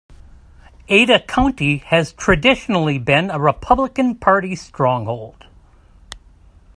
Ada County has traditionally been a Republican Party stronghold.